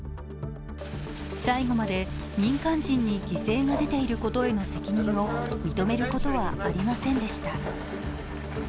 最後まで民間人に犠牲が出ていることへの責任を認めることはありませんでした。